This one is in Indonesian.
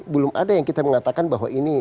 belum ada yang kita mengatakan bahwa ini